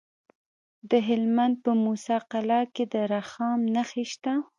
د هلمند په موسی قلعه کې د رخام نښې شته.